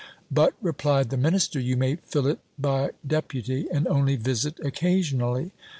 But, replied the minister, you may fill it by deputy, and only visit occasionally.